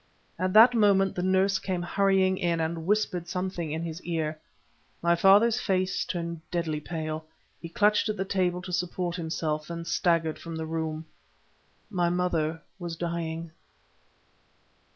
At that moment the nurse came hurrying in and whispered something in his ear. My father's face turned deadly pale. He clutched at the table to support himself, then staggered from the room. My mother was dying!